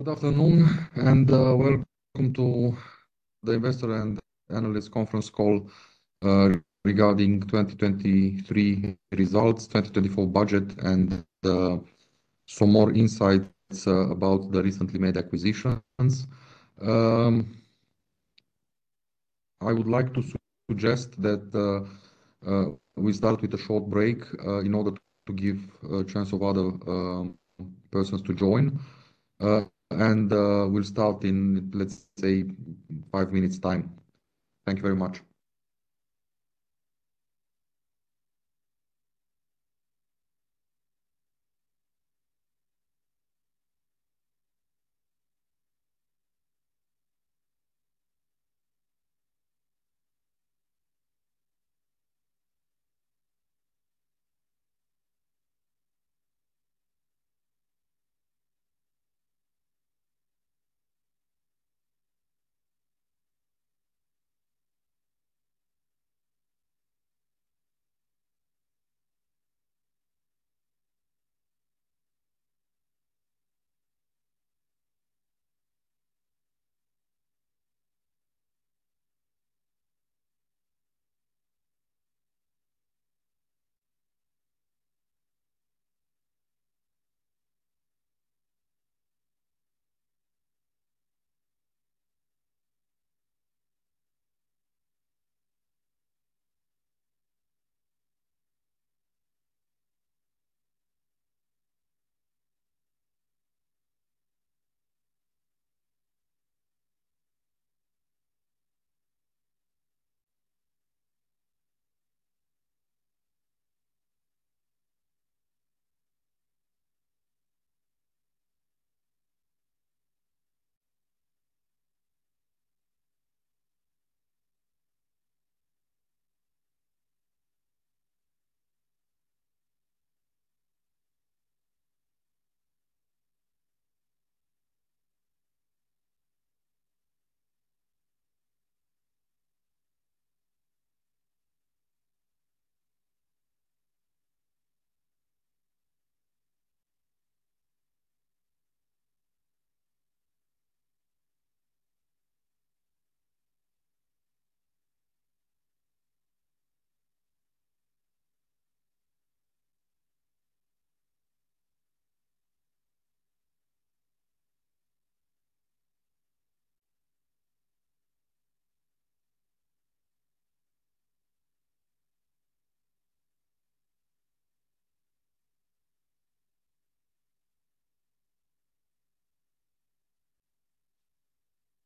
Good afternoon and welcome to the investor and analyst conference call regarding 2023 results, 2024 budget, and some more insights about the recently made acquisitions. I would like to suggest that we start with a short break in order to give a chance to other persons to join. We'll start in, let's say, five minutes' time. Thank you very much.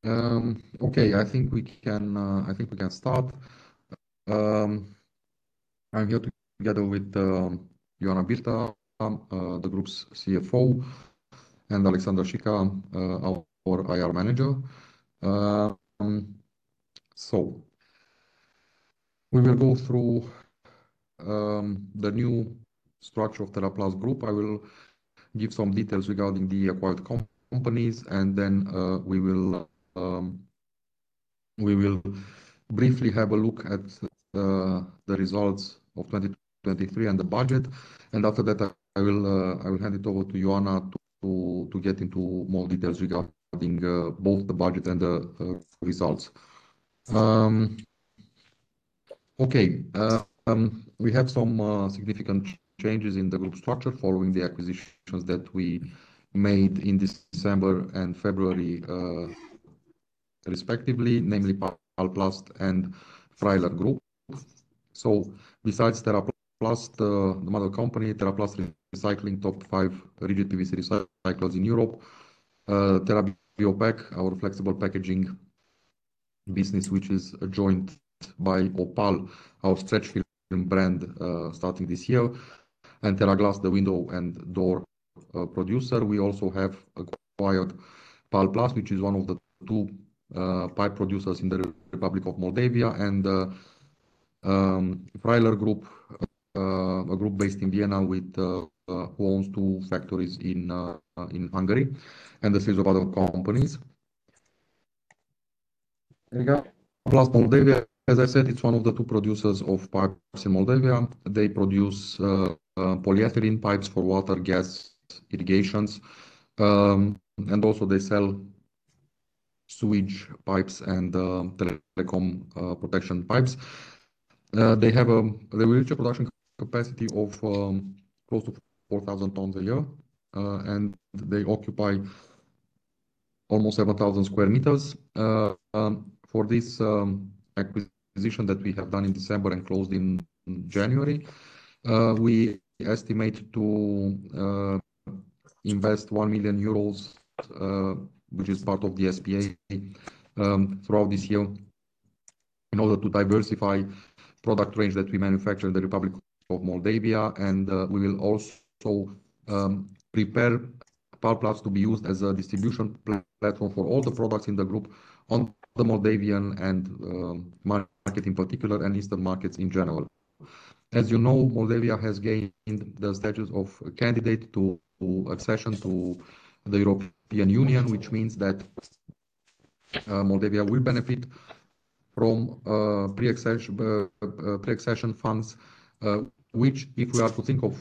Okay, I think we can start. I'm here together with Ioana Birta, the group's CFO, and Alexandra Sica, our IR manager. We will go through the new structure of TeraPlast Group. I will give some details regarding the acquired companies, and then we will briefly have a look at the results of 2023 and the budget. After that, I will hand it over to Ioana to get into more details regarding both the budget and the results. Okay, we have some significant changes in the group structure following the acquisitions that we made in December and February, respectively, namely Palplast and Freiler Group. So besides TeraPlast, the mother company, TeraPlast Recycling, top five rigid PVC recyclers in Europe. TeraBio Pack, our flexible packaging business, which is joined by Opal, our stretch film brand, starting this year. And TeraGlass, the window and door producer. We also have acquired Palplast, which is one of the two pipe producers in the Republic of Moldova. And Freiler Group, a group based in Vienna with who owns two factories in Hungary and a series of other companies. There you go. Palplast Moldova, as I said, it's one of the two producers of pipes in Moldova. They produce polyethylene pipes for water, gas, irrigations. And also they sell sewage pipes and telecom protection pipes. They have an annual production capacity of close to 4,000 tons a year, and they occupy almost 7,000 sq m. For this acquisition that we have done in December and closed in January, we estimate to invest 1 million euros, which is part of the SPA, throughout this year in order to diversify product range that we manufacture in the Republic of Moldova. And we will also prepare Palplast to be used as a distribution platform for all the products in the group on the Moldovan market in particular and Eastern markets in general. As you know, Moldova has gained the status of candidate to accession to the European Union, which means that, Moldova will benefit from, pre-accession funds, which if we are to think of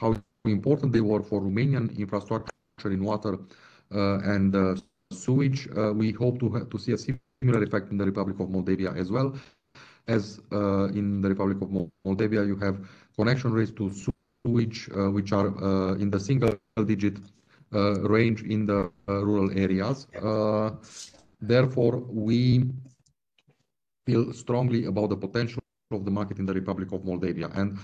how important they were for Romanian infrastructure in water, and, sewage, we hope to see a similar effect in the Republic of Moldova as well. As, in the Republic of Moldova, you have connection rates to sewage, which are, in the single-digit, range in the rural areas. Therefore, we feel strongly about the potential of the market in the Republic of Moldova. And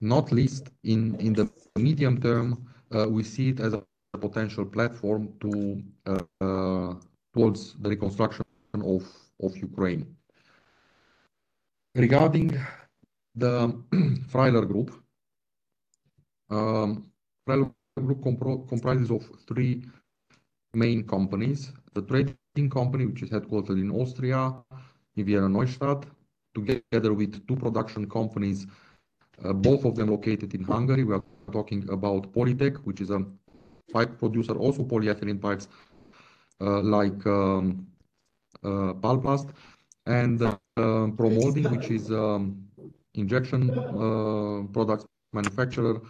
not least in the medium term, we see it as a potential platform to, towards the reconstruction of Ukraine. Regarding the Freiler Group, Freiler Group comprises of three main companies: The Trading Company, which is headquartered in Austria, in Wiener Neustadt, together with two production companies, both of them located in Hungary. We are talking about Polytech, which is a pipe producer, also polyethylene pipes, like Palplast, and Pro-Moulding, which is injection products manufacturer,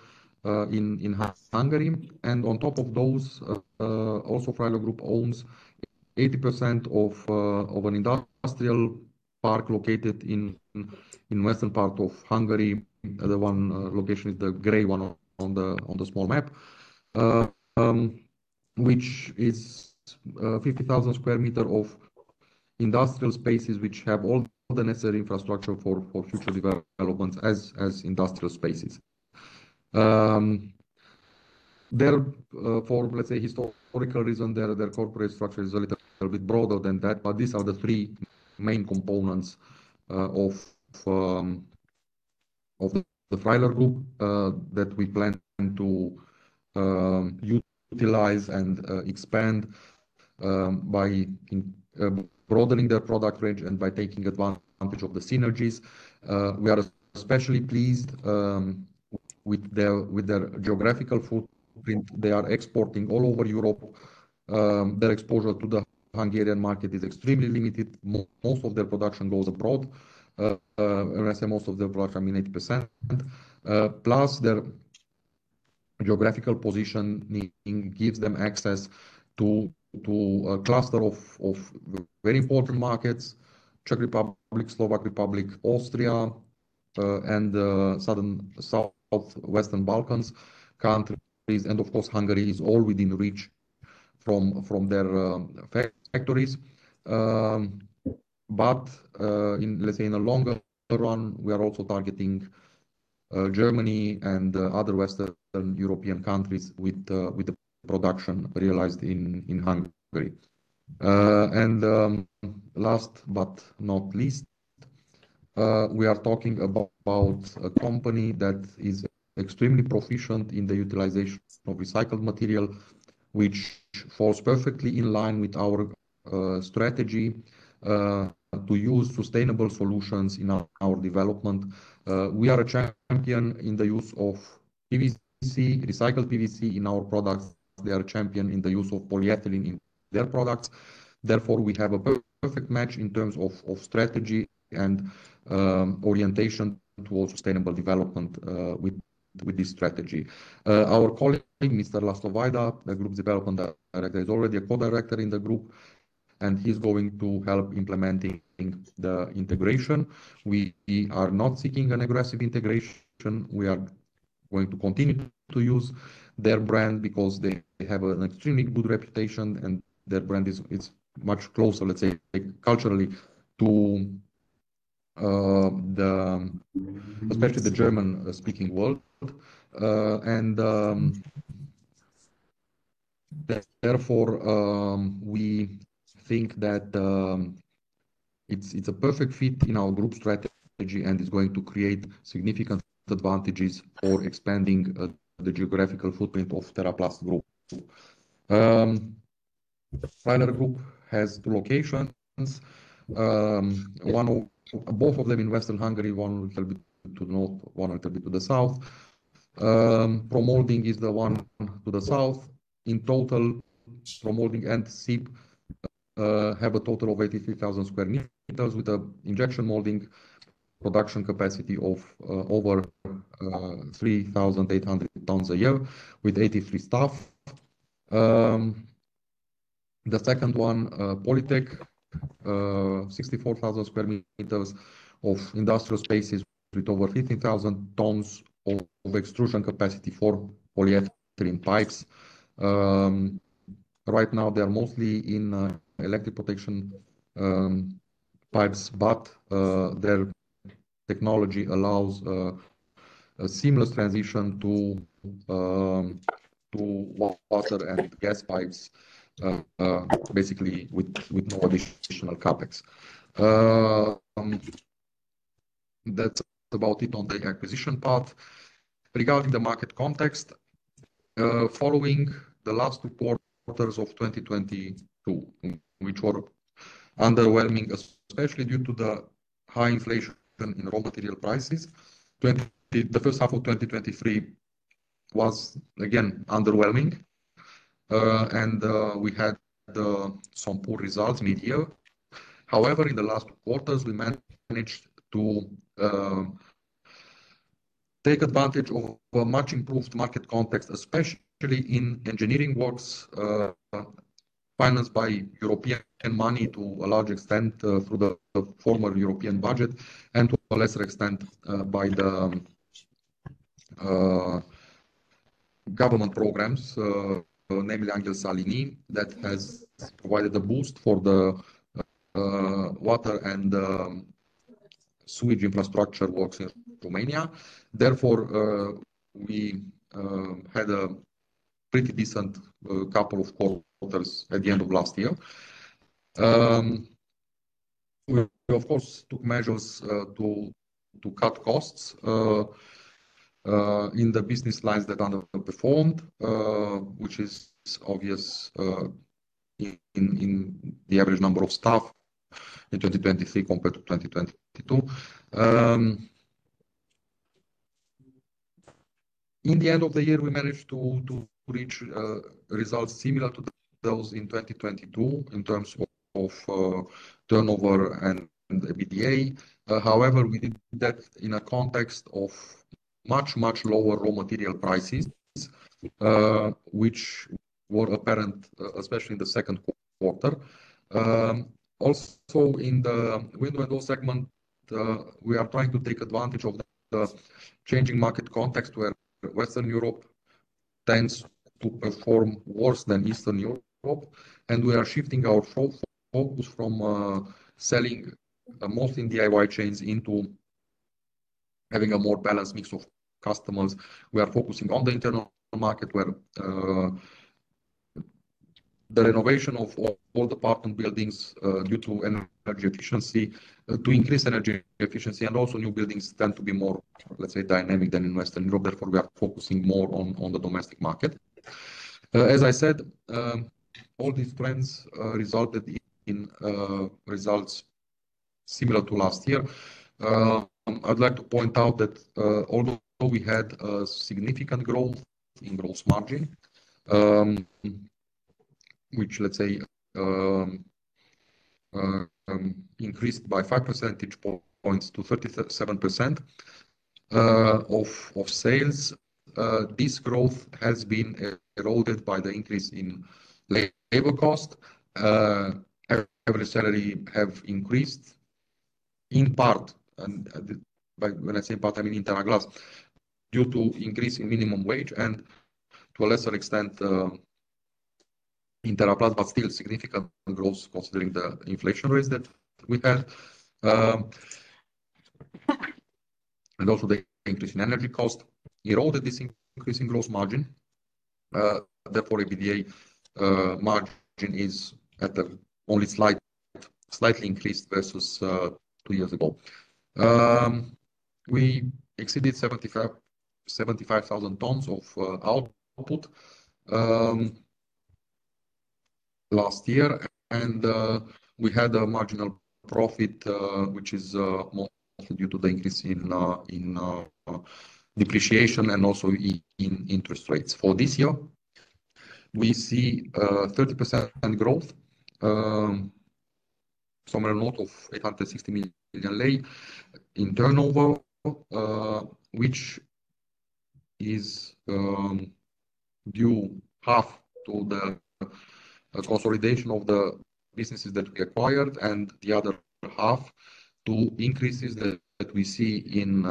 in Hungary. On top of those, also Freiler Group owns 80% of an industrial park located in the Western part of Hungary. The one location is the gray one on the small map, which is 50,000 sq m of industrial spaces which have all the necessary infrastructure for future developments as industrial spaces. They're, for, let's say, historical reason, their corporate structure is a little bit broader than that, but these are the three main components of the Freiler Group that we plan to utilize and expand by in broadening their product range and by taking advantage of the synergies. We are especially pleased with their geographical footprint. They are exporting all over Europe. Their exposure to the Hungarian market is extremely limited. Most of their production goes abroad. When I say most of their production, I mean 80%. Plus their geographical positioning gives them access to a cluster of very important markets: Czech Republic, Slovak Republic, Austria, and Southwestern Balkans countries. And of course, Hungary is all within reach from their factories. But in, let's say, a longer run, we are also targeting Germany and other Western European countries with the production realized in Hungary. And last but not least, we are talking about a company that is extremely proficient in the utilization of recycled material, which falls perfectly in line with our strategy to use sustainable solutions in our development. We are a champion in the use of PVC, recycled PVC in our products. They are a champion in the use of polyethylene in their products. Therefore, we have a perfect match in terms of strategy and orientation towards sustainable development with this strategy. Our colleague, Mr. Laszlo Vajda, the group's development director, is already a co-director in the group, and he's going to help implementing the integration. We are not seeking an aggressive integration. We are going to continue to use their brand because they have an extremely good reputation, and their brand is much closer, let's say, culturally to the especially the German-speaking world. Therefore, we think that it's a perfect fit in our group strategy and is going to create significant advantages for expanding the geographical footprint of TeraPlast Group. Freiler Group has two locations. Both of them in Western Hungary, one a little bit to the north, one a little bit to the south. Pro-Moulding is the one to the south. In total, Pro-Moulding and SIP have a total of 83,000 sq m with an injection molding production capacity of over 3,800 tons a year with 83 staff. The second one, Polytech, 64,000 sq m of industrial spaces with over 15,000 tons of extrusion capacity for polyethylene pipes. Right now they are mostly in electric protection pipes, but their technology allows a seamless transition to water and gas pipes, basically with no additional Capex. That's about it on the acquisition part. Regarding the market context, following the last two quarters of 2022, which were underwhelming, especially, due to the high inflation in raw material prices, the first half of 2023 was again underwhelming, and we had some poor results mid-year. However, in the last two quarters, we managed to take advantage of a much improved market context, especially in engineering works, financed by European money to a large extent through the former European budget and to a lesser extent by the government programs, namely Anghel Saligny, that has provided a boost for the water and sewage infrastructure works in Romania. Therefore, we had a pretty decent couple of quarters at the end of last year. We, of course, took measures to cut costs in the business lines that underperformed, which is obvious in the average number of staff in 2023 compared to 2022. In the end of the year, we managed to reach results similar to those in 2022 in terms of turnover and EBITDA. However, we did that in a context of much, much lower raw material prices, which were apparent especially in the second quarter. Also in the window and door segment, we are trying to take advantage of the changing market context where Western Europe tends to perform worse than Eastern Europe, and we are shifting our focus from selling mostly in DIY chains into having a more balanced mix of customers. We are focusing on the internal market where the renovation of all department buildings, due to energy efficiency, to increase energy efficiency, and also new buildings tend to be more, let's say, dynamic than in Western Europe. Therefore, we are focusing more on the domestic market. As I said, all these trends resulted in results similar to last year. I'd like to point out that, although we had a significant growth in gross margin, which, let's say, increased by 5 percentage points to 37% of sales, this growth has been eroded by the increase in labor cost. Average salaries have increased in part, and by when I say part, I mean in TeraGlass, due to increase in minimum wage and to a lesser extent, in TeraPlast, but still significant growth considering the inflation rates that we had, and also the increase in energy cost eroded this increase in gross margin. Therefore, an EBITDA margin is only slightly increased versus two years ago. We exceeded 75,000 tons of output last year, and we had a marginal profit, which is mostly due to the increase in depreciation and also in interest rates. For this year, we see 30% growth, somewhere north of RON 860 million in turnover, which is due half to the consolidation of the businesses that we acquired and the other half to increases that we see in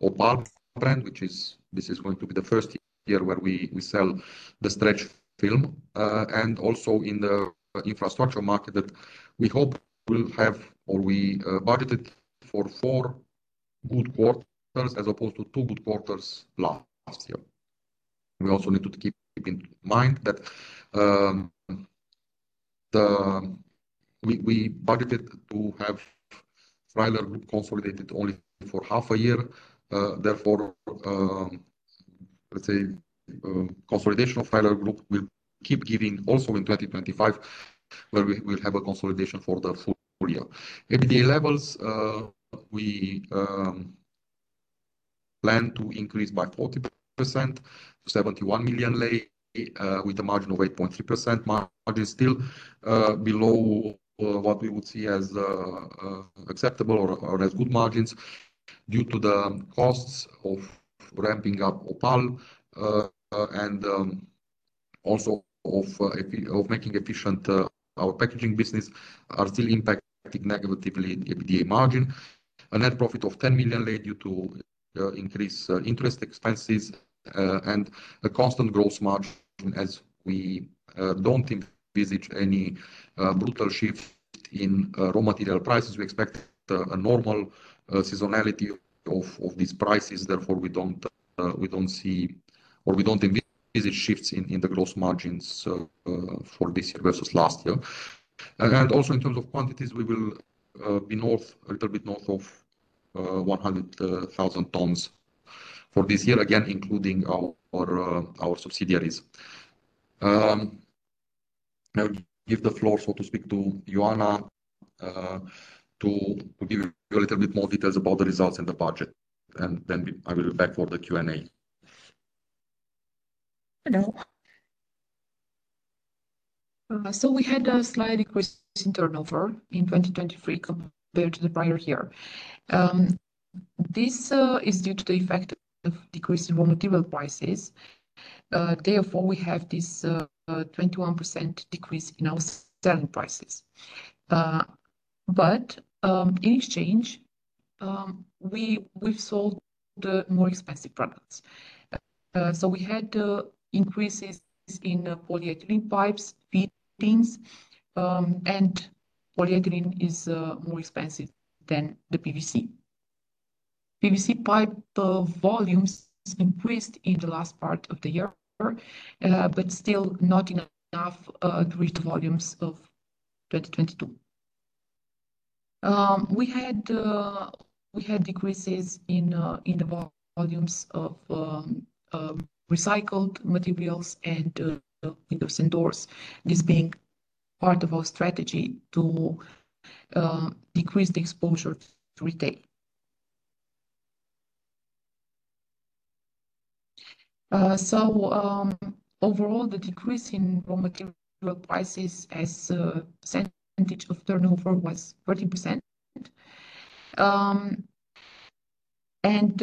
Opal brand, which is this is going to be the first year where we sell the stretch film, and also in the infrastructure market that we hope will have or we budgeted for four good quarters as opposed to two good quarters last year. We also need to keep in mind that we budgeted to have Freiler Group consolidated only for half a year. Therefore, let's say, consolidation of Freiler Group will keep giving also in 2025 where we will have a consolidation for the full year. EBITDA levels, we plan to increase by 40% to RON 71 million, with a margin of 8.3%. Margin is still below what we would see as acceptable or as good margins due to the costs of ramping up Opal, and also of making efficient our packaging business are still impacting negatively the EBITDA margin. A net profit of RON 10 million due to increased interest expenses, and a constant gross margin as we don't envisage any brutal shift in raw material prices. We expect a normal seasonality of these prices. Therefore, we don't see or we don't envisage, shifts in the gross margins for this year versus last year. And also in terms of quantities, we will be a little bit north of 100,000 tons for this year, again including our subsidiaries. I'll give the floor, so to speak, to Ioana, to give you a little bit more details about the results and the budget, and then I will be back for the Q&A. Hello. We had a slight decrease in turnover in 2023 compared to the prior year. This is due to the effect of decrease in raw material prices. Therefore, we have this 21% decrease in our selling prices. But in exchange, we've sold the more expensive products. We had increases in polyethylene pipes, fittings, and polyethylene is more expensive than the PVC. PVC pipe volumes increased in the last part of the year, but still not enough to reach the volumes of 2022. We had decreases in the volumes of recycled materials and windows and doors, this being part of our strategy to decrease the exposure to retail. So overall, the decrease in raw material prices as a percentage of turnover was 30%, and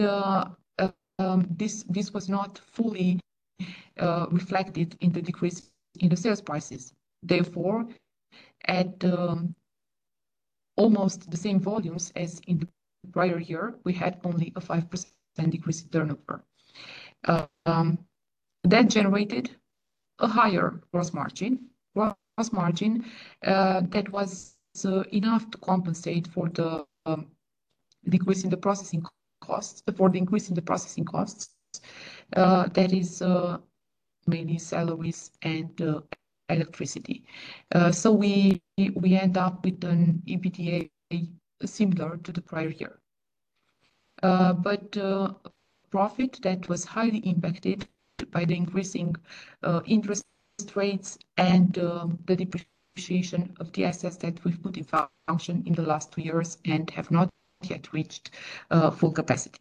this was not fully reflected in the decrease in the sales prices. Therefore, at almost the same volumes as in the prior year, we had only a 5% decrease in turnover. That generated a higher gross margin, gross margin that was enough to compensate for the decrease in the processing costs, for the increase in the processing costs, that is mainly salaries and electricity. So we end up with an EBITDA similar to the prior year. But profit that was highly impacted by the increasing interest rates and the depreciation of [assets] that we've put in function in the last two years and have not yet reached full capacity.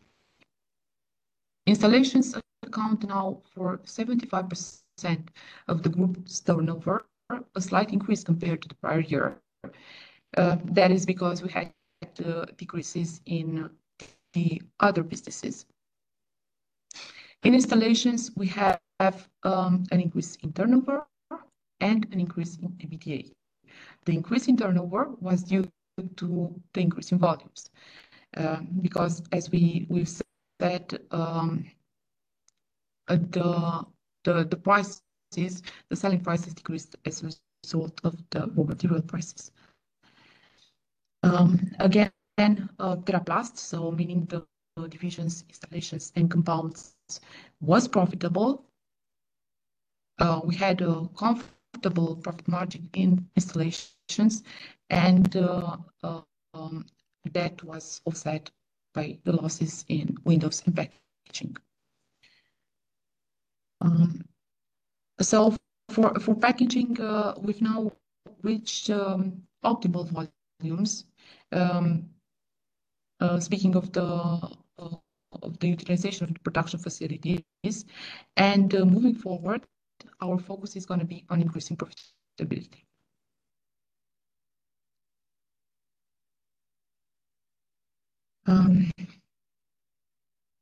Installations account now for 75% of the group's turnover, a slight increase compared to the prior year. That is because we had decreases in the other businesses. In installations, we have an increase in turnover and an increase in EBITDA. The increase in turnover was due to the increase in volumes because, as we've said, the prices, the selling prices decreased as a result of the raw material prices. Again, TeraPlast, so meaning the divisions, installations, and compounds, was profitable. We had a comfortable profit margin in installations, and that was offset by the losses in windows and packaging. So for packaging, we've now reached optimal volumes, speaking of the utilization of the production facilities. And moving forward, our focus is going to be on increasing profitability.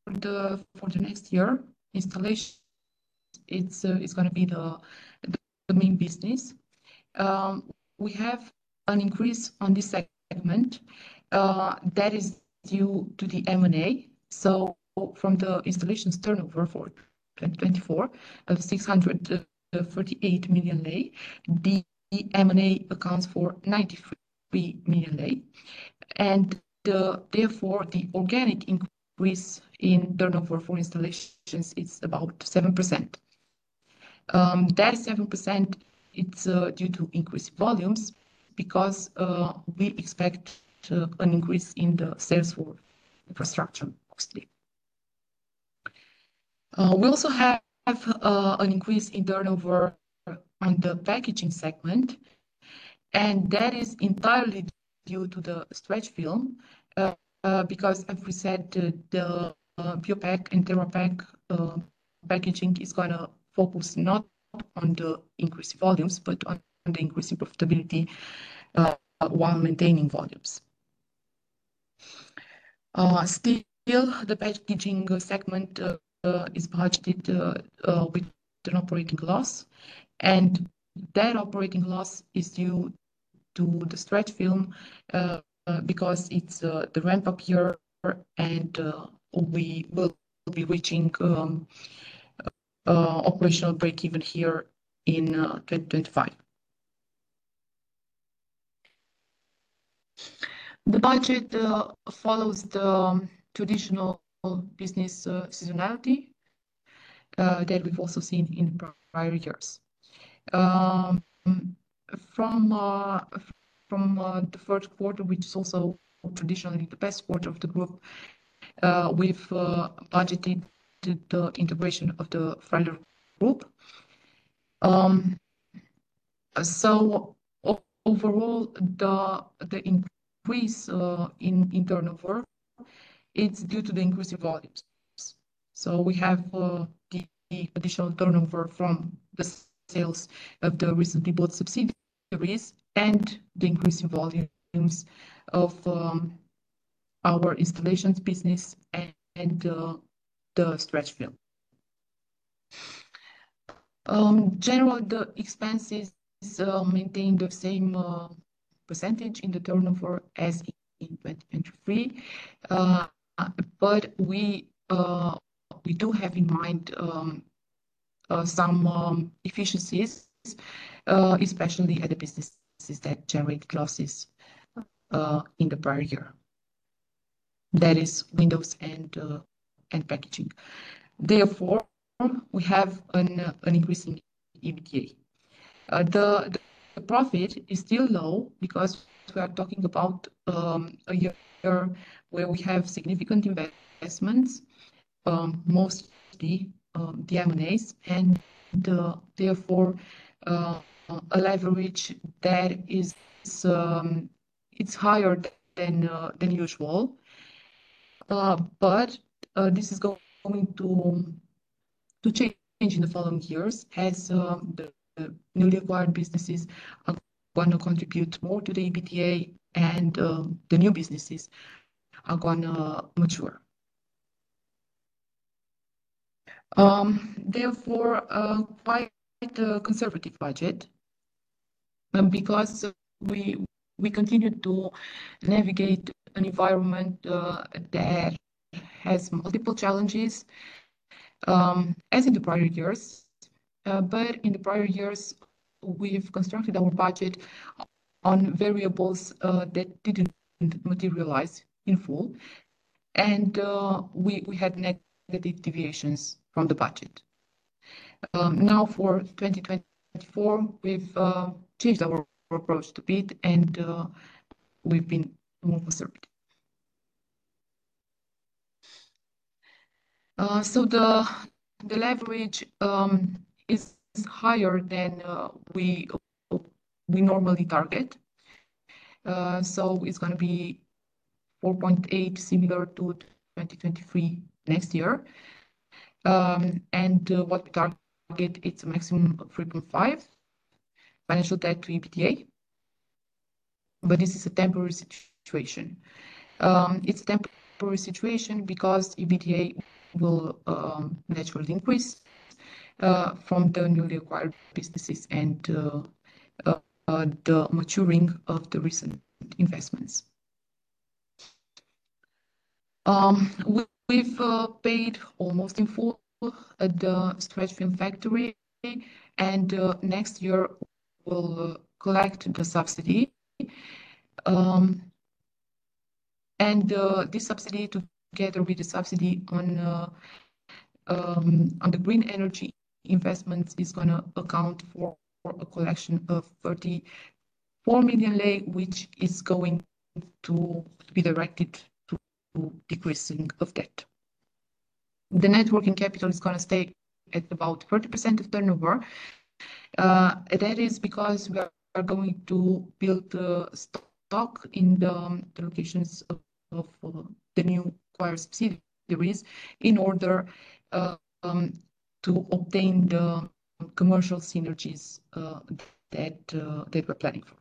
For the next year, installations, it's going to be the main business. We have an increase on this segment that is due to the M&A. So from the installations turnover for 2024 of RON 648 million, the M&A accounts for RON 93 million. Therefore, the organic increase in turnover for installations, it's about 7%. That 7%, it's due to increased volumes because we expect an increase in the sales for infrastructure, obviously. We also have an increase in turnover on the packaging segment, and that is entirely due to the stretch film because, as we said, the TeraBio Pack and TeraPack packaging is going to focus not on the increase in volumes, but on the increase in profitability while maintaining volumes. Still, the packaging segment is budgeted with an operating loss, and that operating loss is due to the stretch film because it's the ramp-up year, and we will be reaching operational break-even here in 2025. The budget follows the traditional business seasonality that we've also seen in the prior years. From the first quarter, which is also traditionally the best quarter of the group, we've budgeted the integration of the Freiler Group. So overall, the increase in turnover, it's due to the increase in volumes. So we have the additional turnover from the sales of the recently bought subsidiaries and the increase in volumes of our installations business and the stretch film. Generally, the expenses maintain the same percentage in the turnover as in 2023, but we do have in mind some efficiencies, especially at the businesses that generated losses in the prior year. That is windows and packaging. Therefore, we have an increasing EBITDA. The profit is still low because we are talking about a year where we have significant investments, mostly the M&As, and therefore, a leverage that is higher than usual. But this is going to change in the following years as the newly acquired businesses are going to contribute more to the EBITDA, and the new businesses are going to mature. Therefore, quite a conservative budget because we continue to navigate an environment that has multiple challenges, as in the prior years. But in the prior years, we've constructed our budget on variables that didn't materialize in full, and we had negative deviations from the budget. Now, for 2024, we've changed our approach to budget, and we've been more conservative. So the leverage is higher than we normally target. So it's going to be four point eight, similar to 2023 next year. And what we target, it's a maximum of three point five financial debt to EBITDA, but this is a temporary situation. It's a temporary situation because EBITDA will naturally increase from the newly acquired businesses and the maturing of the recent investments. We've paid almost in full at the stretch film factory, and next year we'll collect the subsidy. This subsidy, together with the subsidy on the green energy investments, is going to account for a collection of RON 34 million, which is going to be directed to decreasing of debt. The net working capital is going to stay at about 30% of turnover. That is because we are going to build the stock in the locations of the new acquired subsidiaries in order to obtain the commercial synergies that we're planning for.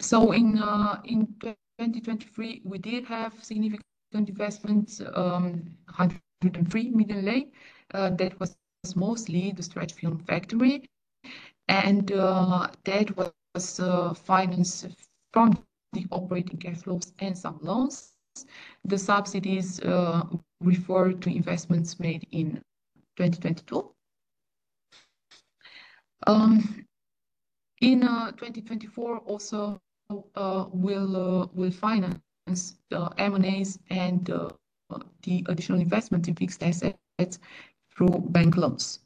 So in 2023, we did have significant investments, RON 103 million. That was mostly the stretch film factory, and that was financed from the operating cash flows and some loans. The subsidies refer to investments made in 2022. In 2024, also, we'll finance the M&As and the additional investments in fixed assets through bank loans.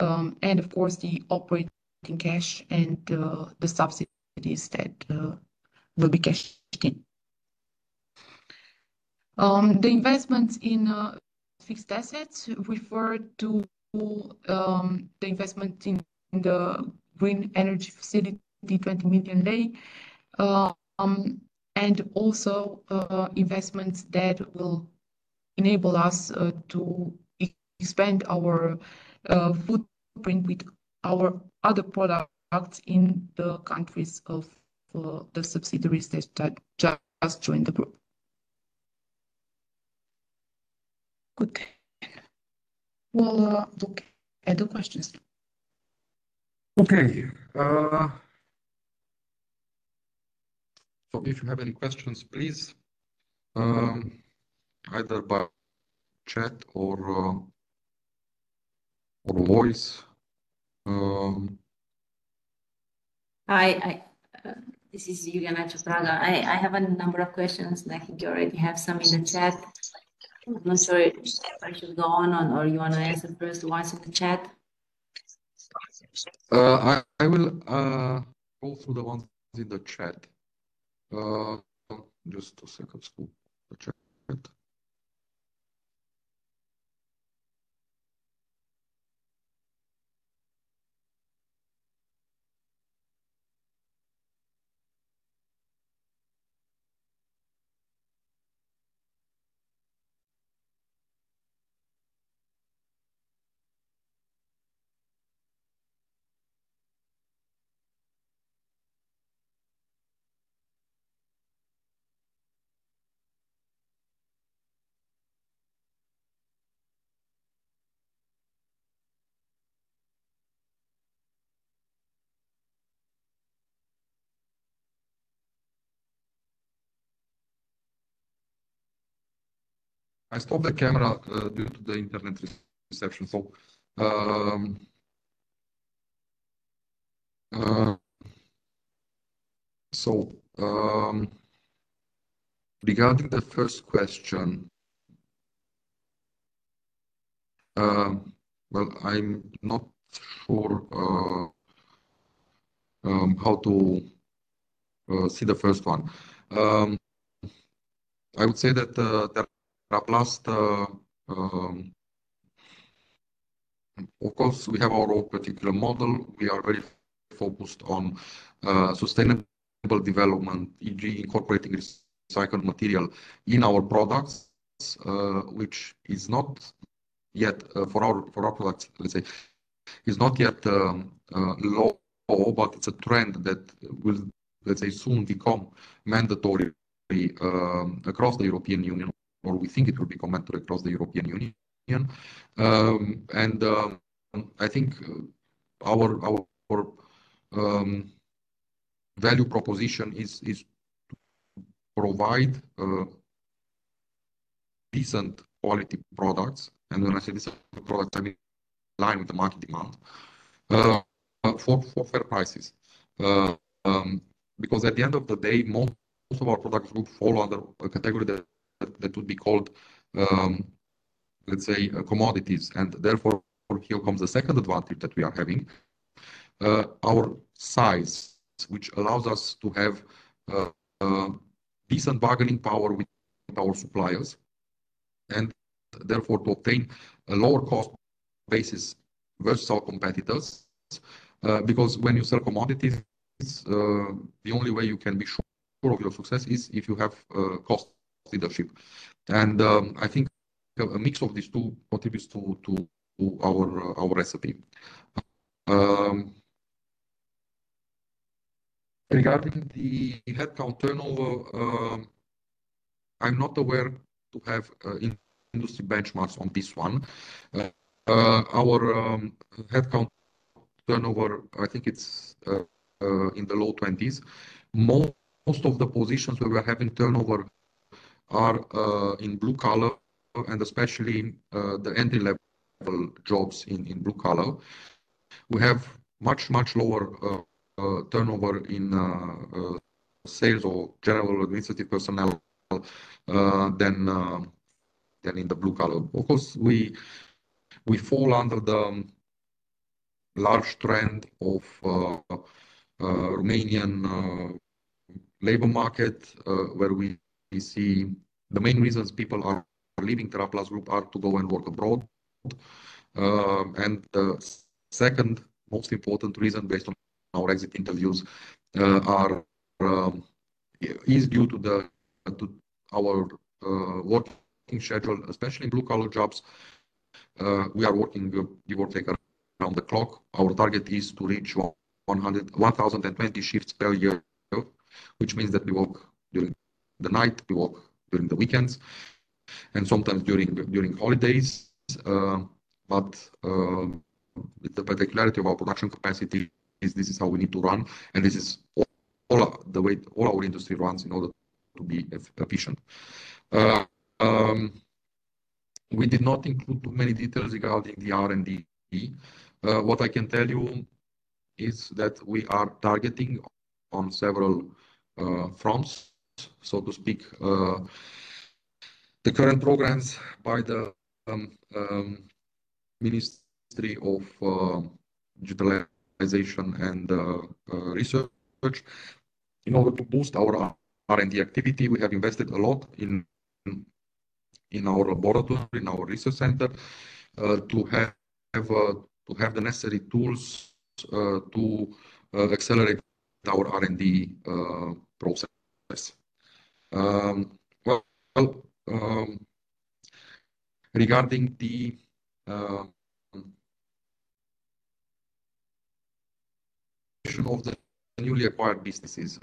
Of course, the operating cash and the subsidies that will be cashed in. The investments in fixed assets refer to the investment in the green energy facility, RON 20 million, and also investments that will enable us to expand our footprint with our other products in the countries of the subsidiaries that just joined the group. Good. We'll look at the questions. Okay. If you have any questions, please, either by chat or voice. Hi. This is Iuliana Ciopraga. I have a number of questions, and I think you already have some in the chat. I'm sorry. I should go on, or you want to answer first the ones in the chat? I will go through the ones in the chat. Just a second. The chat. I stopped the camera due to the internet reception. Regarding the first question, well, I'm not sure how to see the first one. I would say that TeraPlast, of course, we have our own particular model. We are very focused on sustainable development, e.g., incorporating recycled material in our products, which is not yet for our products, let's say, is not yet law, but it's a trend that will, let's say, soon become mandatory across the European Union, or we think it will become mandatory across the European Union. I think our value proposition is to provide decent-quality products. When I say decent products, I mean in line with the market demand for fair prices. Because at the end of the day, most of our products would fall under a category that would be called, let's say, commodities. Therefore, here comes the second advantage that we are having. Our size, which allows us to have decent bargaining power with our suppliers, and therefore to obtain a lower cost basis versus our competitors. Because when you sell commodities, the only way you can be sure of your success is if you have cost leadership. And I think a mix of these two contributes to our recipe. Regarding the headcount turnover, I'm not aware to have industry benchmarks on this one. Our headcount turnover, I think it's in the low 20s. Most of the positions where we are having turnover are in blue-collar, and especially the entry-level jobs in blue-collar. We have much, much lower turnover in sales or general administrative personnel than in the blue-collar. Of course, we fall under the large trend of Romanian labor market, where we see the main reasons people are leaving TeraPlast Group are to go and work abroad. The second most important reason, based on our exit interviews, is due to our working schedule, especially in blue-collar jobs. We are working the workday around the clock. Our target is to reach 1,020 shifts per year, which means that we work during the night, we work during the weekends, and sometimes during holidays. But the particularity of our production capacity is this is how we need to run, and this is all the way all our industry runs in order to be efficient. We did not include too many details regarding the R&D. What I can tell you is that we are targeting on several fronts, so to speak. The current programs by the Ministry of Digitalization and Research, in order to boost our R&D activity, we have invested a lot in our laboratory, in our research center, to have the necessary tools to accelerate our R&D process. Well, regarding the question of the newly acquired businesses,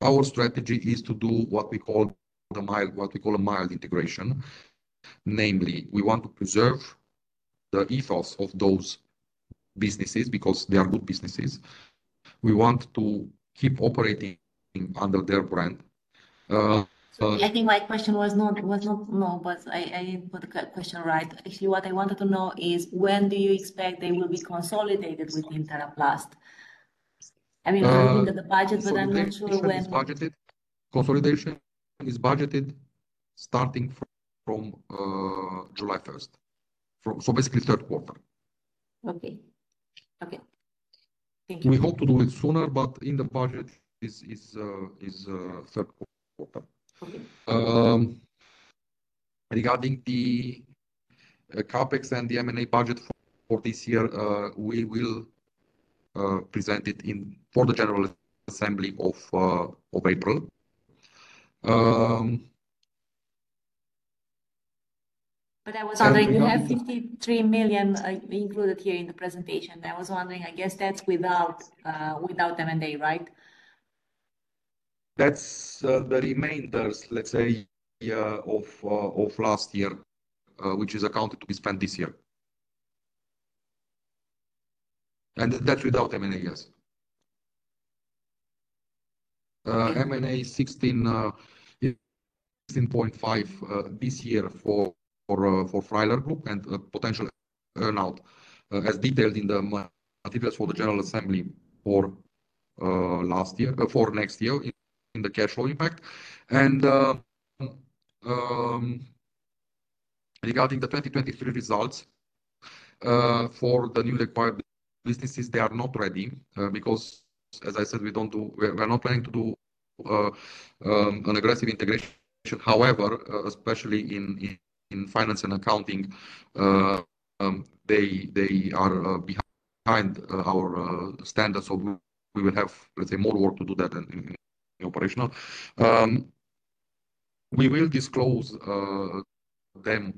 our strategy is to do what we call a mild integration. Namely, we want to preserve the ethos of those businesses because they are good businesses. We want to keep operating under their brand. I think my question was not no, but I didn't put the question right. Actually, what I wanted to know is when do you expect they will be consolidated within TeraPlast? I mean, I think of the budget, but I'm not sure when. Consolidation is budgeted starting from July 1st. So basically, third quarter. Okay. Okay. Thank you. We hope to do it sooner, but in the budget, it's third quarter. Regarding the CapEx and the M&A budget for this year, we will present it for the general assembly of April. But I was wondering, you have RON 53 million included here in the presentation. I was wondering, I guess that's without M&A, right? That's the remainders, let's say, of last year, which is accounted to be spent this year. That's without M&A, yes. M&A RON 16.5 million this year for Wolfgang Freiler Group and potential earnout, as detailed in the materials for the general assembly for next year in the cash flow impact. Regarding the 2023 results for the newly acquired businesses, they are not ready because, as I said, we're not planning to do an aggressive integration. However, especially in finance and accounting, they are behind our standards. So we will have, let's say, more work to do that than in operational. We will disclose them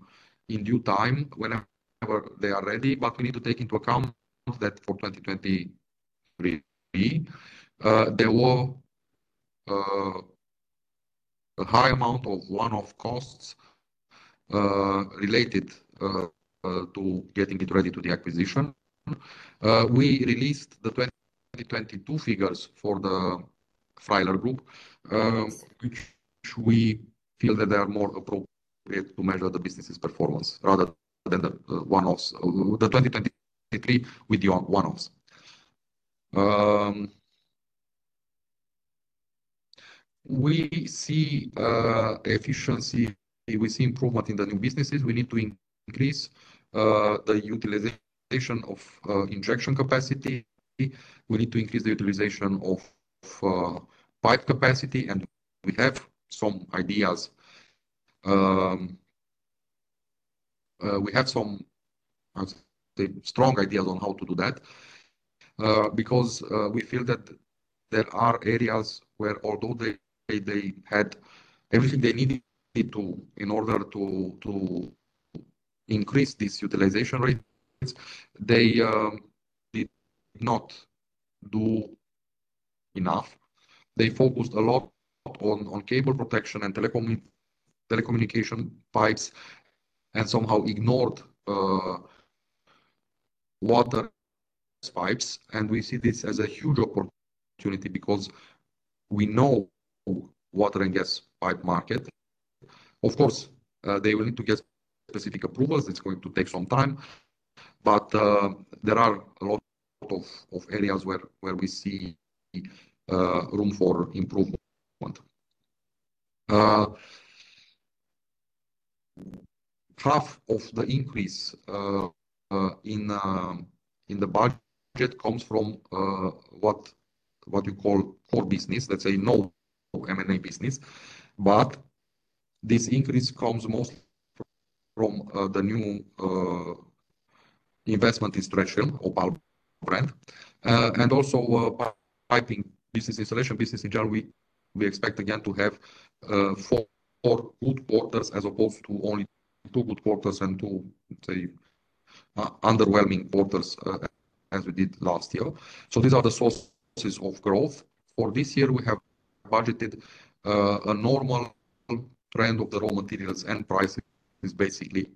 in due time whenever they are ready, but we need to take into account that for 2023, there was a high amount of one-off costs related to getting it ready to the acquisition. We released the 2022 figures for the Wolfgang Freiler Group, which we feel that they are more appropriate to measure the business's performance rather than the 2023 with the one-offs. We see efficiency. We see improvement in the new businesses. We need to increase the utilization of injection capacity. We need to increase the utilization of pipe capacity. We have some ideas. We have some, I would say, strong ideas on how to do that because we feel that there are areas where, although they had everything they needed in order to increase these utilization rates, they did not do enough. They focused a lot on cable protection and telecommunication pipes and somehow ignored water pipes. We see this as a huge opportunity because we know the water and gas pipe market. Of course, they will need to get specific approvals. It's going to take some time. But there are a lot of areas where we see room for improvement. Half of the increase in the budget comes from what you call core business, let's say, non-M&A business. But this increase comes mostly from the new investment in stretch film or Opal brand and also Piping Business Installation business in general. We expect, again, to have four good quarters as opposed to only two good quarters and two, say, underwhelming quarters as we did last year. So these are the sources of growth. For this year, we have budgeted a normal trend of the raw materials and prices, basically.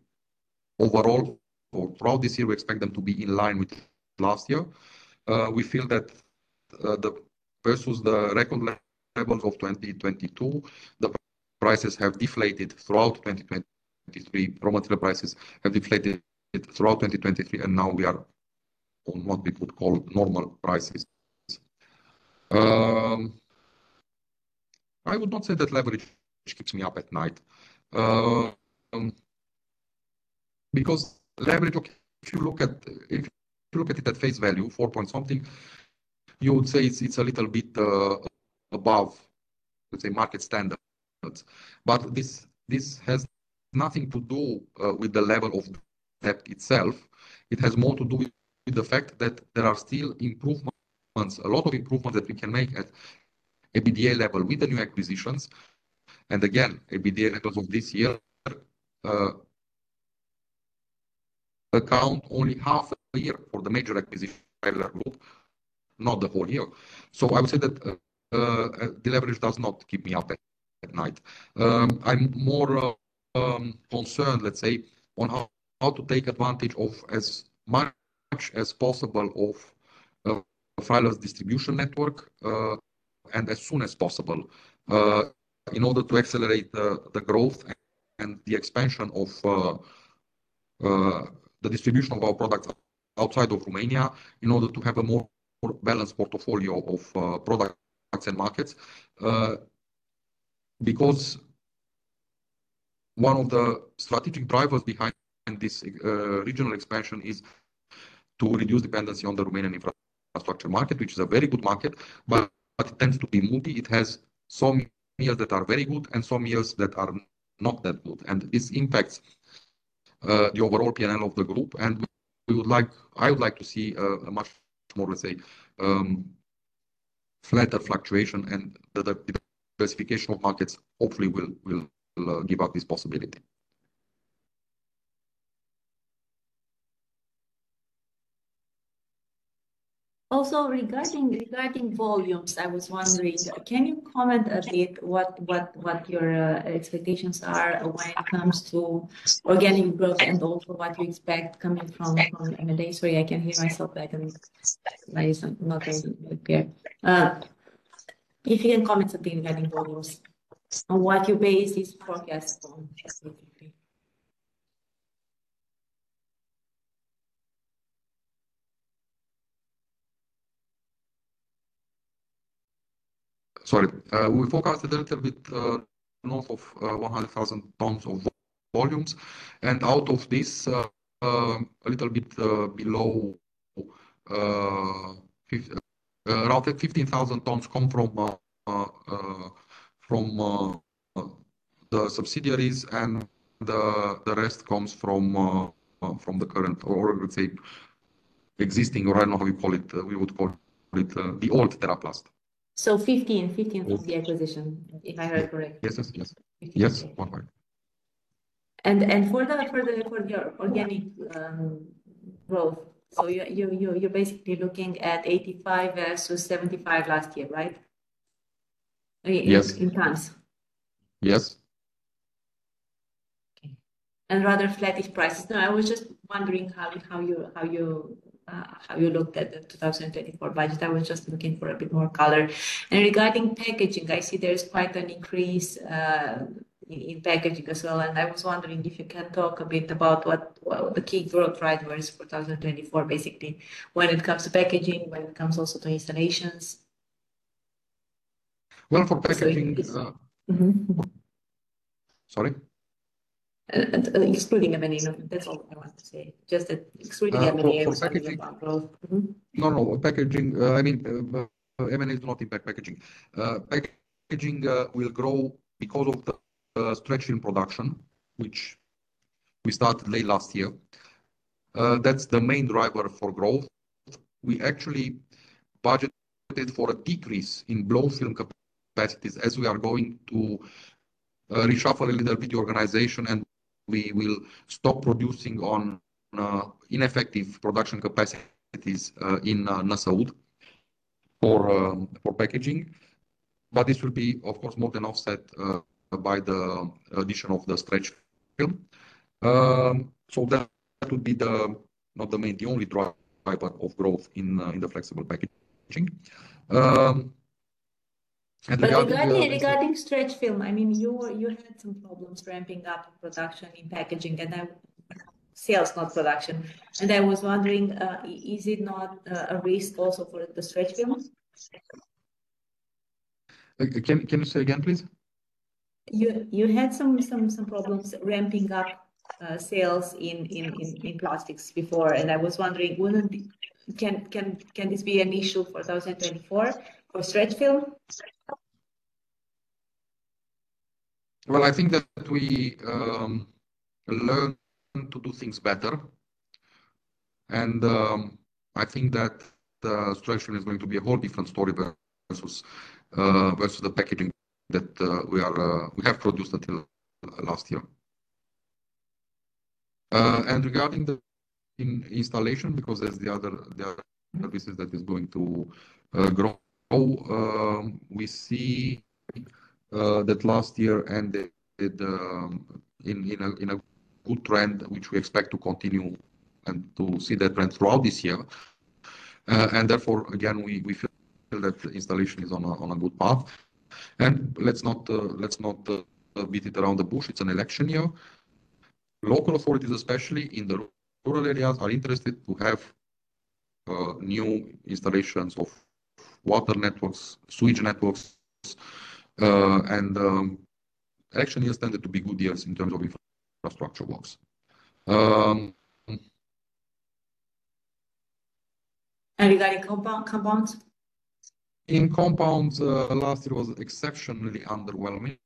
Overall, throughout this year, we expect them to be in line with last year. We feel that versus the record levels of 2022, the prices have deflated throughout 2023. Raw material prices have deflated throughout 2023, and now we are on what we could call normal prices. I would not say that leverage keeps me up at night because leverage, if you look at it at face value, four point something, you would say it's a little bit above, let's say, market standards. But this has nothing to do with the level of debt itself. It has more to do with the fact that there are still improvements, a lot of improvements that we can make at EBITDA level with the new acquisitions. And again, EBITDA levels of this year account only half a year for the major acquisition of Wolfgang Freiler Group, not the whole year. So I would say that the leverage does not keep me up at night. I'm more concerned, let's say, on how to take advantage of as much as possible of Freiler's distribution network and as soon as possible in order to accelerate the growth and the expansion of the distribution of our products outside of Romania in order to have a more balanced portfolio of products and markets. Because one of the strategic drivers behind this regional expansion is to reduce dependency on the Romanian infrastructure market, which is a very good market, but it tends to be moody. It has some years that are very good and some years that are not that good. And this impacts the overall P&L of the group. And I would like to see a much more, let's say, flatter fluctuation. And the diversification of markets, hopefully, will give us this possibility. Also, regarding volumes, I was wondering, can you comment a bit what your expectations are when it comes to organic growth and also what you expect coming from M&A? Sorry, I can hear myself back. My ears are not very clear. If you can comment a bit regarding volumes and what your base is forecast on, basically. Sorry. We forecasted a little bit north of 100,000 tons of volumes. And out of this, a little bit below, around 15,000 tons come from the subsidiaries, and the rest comes from the current or, let's say, existing or I don't know how you call it. We would call it the old TeraPlast. So 15,000 from the acquisition, if I heard correctly. Yes, yes, yes. Yes. 15,000. And for your organic growth, so you're basically looking at 85 versus 75 last year, right, in tons? Yes. Yes. Okay. And rather flatish prices. No, I was just wondering how you looked at the 2024 budget. I was just looking for a bit more color. And regarding packaging, I see there's quite an increase in packaging as well. And I was wondering if you can talk a bit about what the key growth drivers for 2024, basically, when it comes to packaging, when it comes also to installations. Well, for packaging? Sorry? Excluding M&A. That's all I wanted to say. Just that excluding M&A as a part of growth. No, no. I mean, M&A is not impacting packaging. Packaging will grow because of the stretch film production, which we started late last year. That's the main driver for growth. We actually budgeted for a decrease in blown film capacities as we are going to reshuffle a little bit the organization, and we will stop producing on ineffective production capacities in Bistrița-Năsăud for packaging. But this will be, of course, more than offset by the addition of the stretch film. So that would be not the only driver of growth in the flexible packaging. And regarding stretch film, I mean, you had some problems ramping up production in packaging, and I mean, sales, not production. And I was wondering, is it not a risk also for the stretch films? Can you say again, please? You had some problems ramping up sales in plastics before. And I was wondering, can this be an issue for 2024 for stretch film? Well, I think that we learn to do things better. And I think that the stretch film is going to be a whole different story versus the packaging that we have produced until last year. Regarding the installation, because there's the other business that is going to grow, we see that last year ended in a good trend, which we expect to continue and to see that trend throughout this year. Therefore, again, we feel that the installation is on a good path. Let's not beat it around the bush. It's an election year. Local authorities, especially in the rural areas, are interested to have new installations of water networks, sewage networks. Election years tended to be good years in terms of infrastructure works. Regarding compounds? In compounds, last year was exceptionally underwhelming.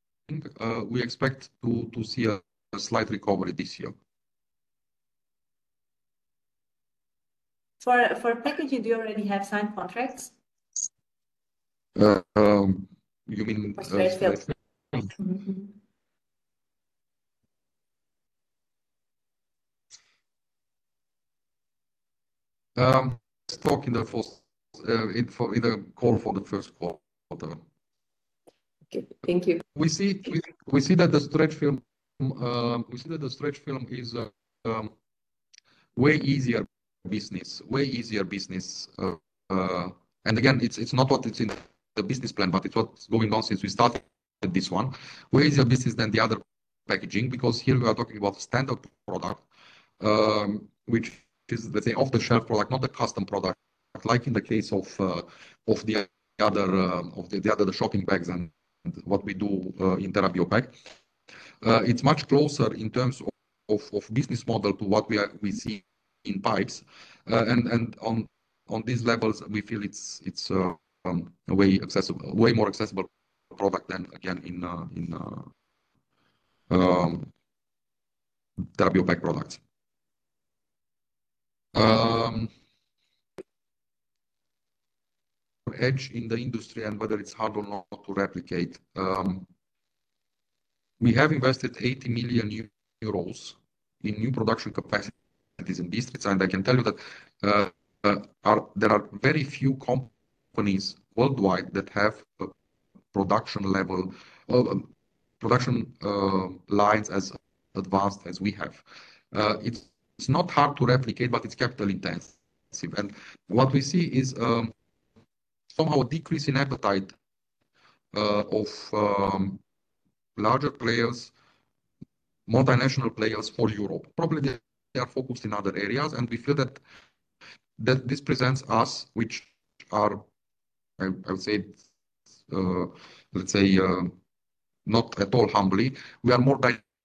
We expect to see a slight recovery this year. For packaging, do you already have signed contracts? You mean for stretch films? Let's talk in the call for the first quarter. Okay. Thank you. We see that the stretch film we see that the stretch film is way easier business, way easier business. And again, it's not what it's in the business plan, but it's what's going on since we started this one. Way easier business than the other packaging because here we are talking about standard product, which is, let's say, off-the-shelf product, not a custom product like in the case of the other shopping bags and what we do in TeraBio Pack. It's much closer in terms of business model to what we see in pipes. And on these levels, we feel it's a way more accessible product than, again, in TeraBio Pack products. Edge in the industry and whether it's hard or not to replicate. We have invested 80 million euros in new production capacities in Bistrița. I can tell you that there are very few companies worldwide that have production lines as advanced as we have. It's not hard to replicate, but it's capital-intensive. And what we see is somehow a decrease in appetite of larger players, multinational players for Europe. Probably they are focused in other areas. And we feel that this presents us, which are, I would say, let's say, not at all humbly. We are more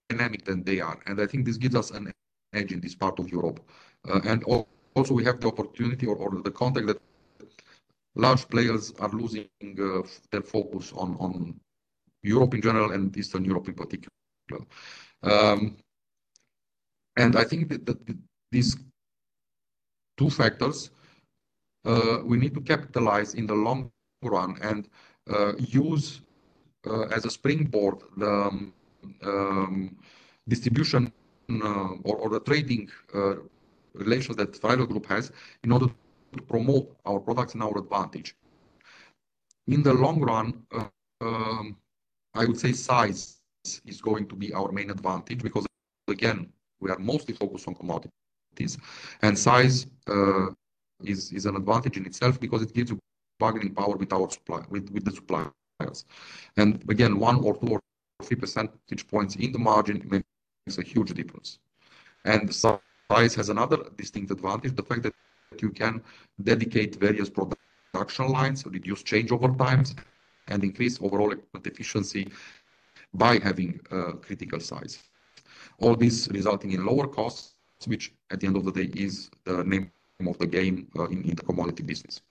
dynamic than they are. And I think this gives us an edge in this part of Europe. And also, we have the opportunity or the contact that large players are losing their focus on Europe in general and Eastern Europe in particular. I think that these two factors, we need to capitalize in the long run and use as a springboard the distribution or the trading relations that Wolfgang Freiler Group has in order to promote our products in our advantage. In the long run, I would say size is going to be our main advantage because, again, we are mostly focused on commodities. And size is an advantage in itself because it gives you bargaining power with the suppliers. And again, one or two or three percentage points in the margin makes a huge difference. And size has another distinct advantage, the fact that you can dedicate various production lines, reduce changeover times, and increase overall efficiency by having critical size. All this resulting in lower costs, which at the end of the day is the name of the game in the commodity business.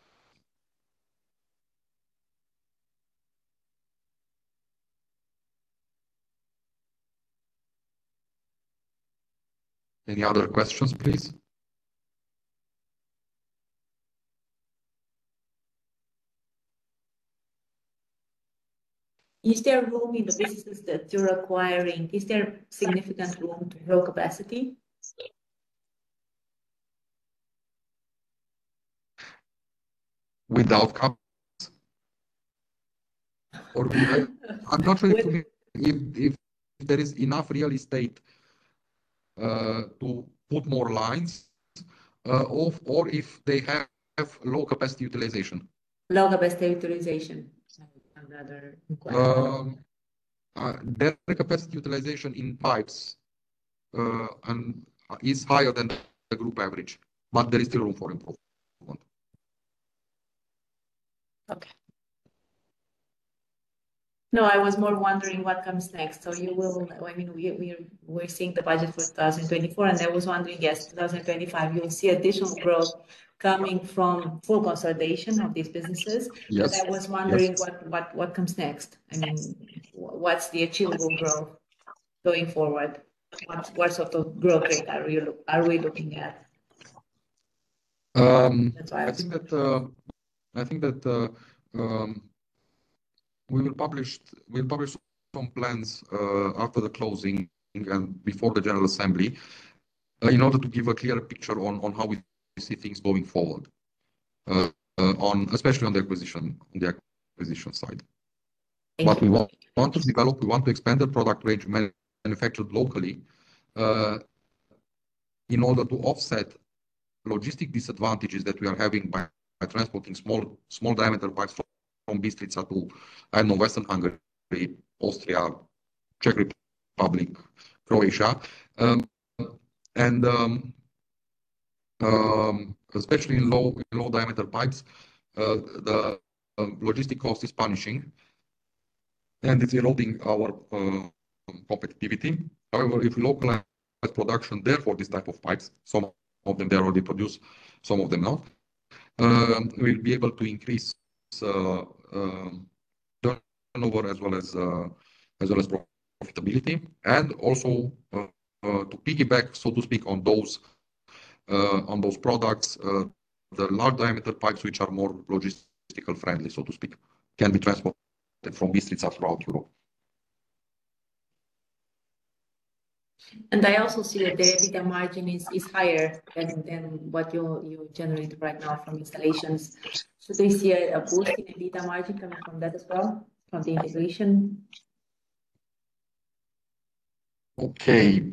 Any other questions, please? Is there room in the businesses that you're acquiring? Is there significant room to grow capacity? Without companies? I'm not sure if there is enough real estate to put more lines or if they have low capacity utilization. Low capacity utilization. Sorry, another question. Their capacity utilization in pipes is higher than the group average, but there is still room for improvement. Okay. No, I was more wondering what comes next. So I mean, we're seeing the budget for 2024. And I was wondering, yes, 2025, you'll see additional growth coming from full consolidation of these businesses. But I was wondering what comes next. I mean, what's the achievable growth going forward? What sort of growth rate are we looking at? That's why I was. I think that we will publish some plans after the closing and before the general assembly in order to give a clearer picture on how we see things going forward, especially on the acquisition side. What we want to develop, we want to expand the product range manufactured locally in order to offset logistic disadvantages that we are having by transporting small-diameter pipes from Bistrița to, I don't know, Western Hungary, Austria, Czech Republic, Croatia. And especially in low-diameter pipes, the logistic cost is punishing, and it's eroding our competitiveness. However, if we localize production there for this type of pipes, some of them they already produce, some of them not, we'll be able to increase turnover as well as profitability. And also, to piggyback, so to speak, on those products, the large-diameter pipes, which are more logistical-friendly, so to speak, can be transported from Bistrița throughout Europe. I also see that their EBITDA margin is higher than what you generate right now from installations. So do you see a boost in the EBITDA margin coming from that as well, from the integration? Okay.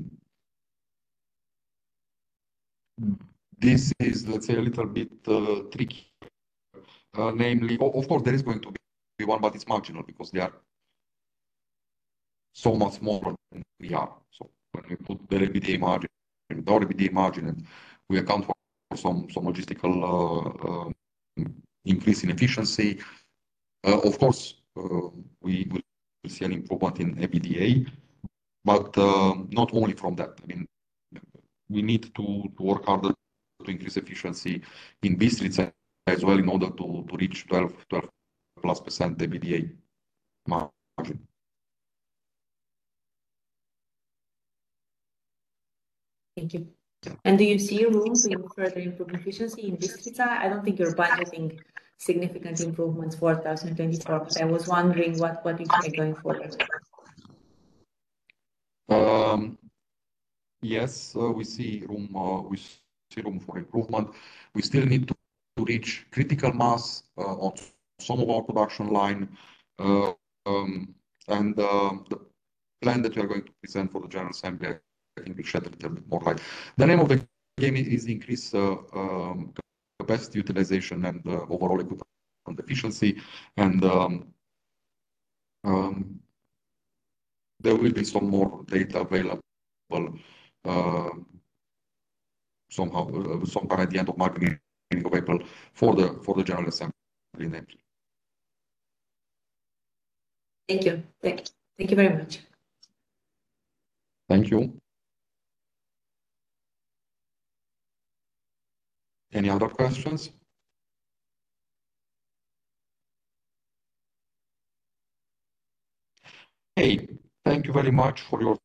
This is, let's say, a little bit tricky. Of course, there is going to be one, but it's marginal because they are so much smaller than we are. So when we put their EBITDA margin and our EBITDA margin, we account for some logistical increase in efficiency. Of course, we'll see an improvement in EBITDA, but not only from that. I mean, we need to work harder to increase efficiency in Bistrița as well in order to reach 12%+ EBITDA margin. Thank you. And do you see room for further improvement efficiency in Bistrița? I don't think you're budgeting significant improvements for 2024. But I was wondering what you see going forward. Yes, we see room for improvement. We still need to reach critical mass on some of our production line. And the plan that we are going to present for the general assembly, I think, will shed a little bit more light. The name of the game is increase capacity utilization and overall equipment efficiency. And there will be some more data available sometime at the end of March available for the general assembly in April. Thank you. Thank you very much. Thank you. Any other questions? Hey, thank you very much for your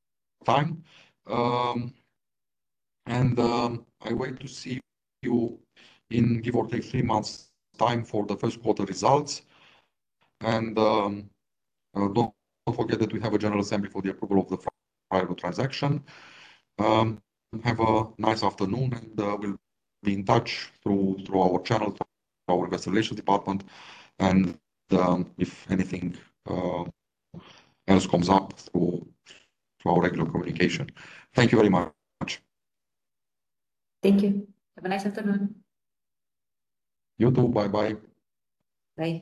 time. And I wait to see you in give or take three months' time for the first quarter results. And don't forget that we have a general assembly for the approval of the Freiler transaction. Have a nice afternoon, and we'll be in touch through our channel, through our investigations department, and if anything else comes up through our regular communication. Thank you very much. Thank you. Have a nice afternoon. You too. Bye-bye. Bye.